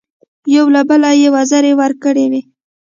یو له بله یې وزرې ورکړې وې.